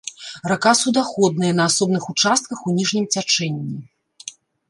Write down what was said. Рака суднаходная на асобных участках у ніжнім цячэнні.